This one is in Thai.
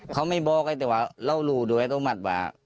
เขาไม่บอกไงแต่ว่าเรารู้ด้วยต้องมัดว่า